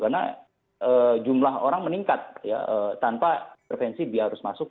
karena jumlah orang meningkat ya tanpa intervensi dia harus masuk